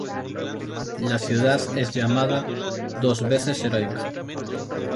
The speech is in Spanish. La ciudad es llamada "Dos veces heroica".